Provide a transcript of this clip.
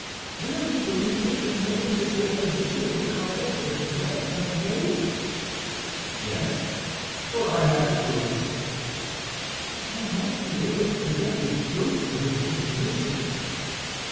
"Will he believe that your Eminence is in a position to accomplish the threat thus made?" "Yes; for I have the proofs." "I must be able to present these proofs for his appreciation."